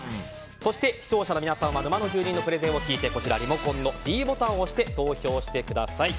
そして視聴者の皆さんは沼の住人のプレゼンを聞いてリモコンのｄボタンを押して投票してください。